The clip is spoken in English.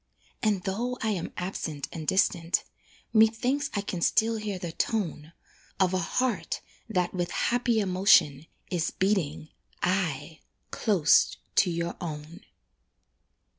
And though I am absent and distant, Methinks I can still hear the tone Of a heart that, with happy emotion, Is beating, aye! close to your own.